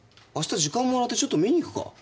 あした時間もらってちょっと見に行くか？